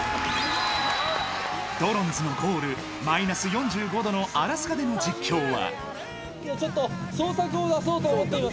ドロンズのゴール、マイナス４５度のアラスカでの実況は。